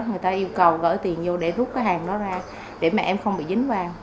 người ta yêu cầu gửi tiền vô để rút cái hàng đó ra để mẹ em không bị dính quang